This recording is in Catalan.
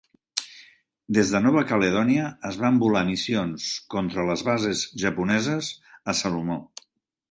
Des de Nova Caledònia es van volar missions contra les bases japoneses a Salomó.